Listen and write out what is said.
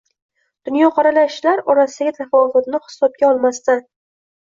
Dunyoqarashlar orasidagi tafovutni hisobga olmasdan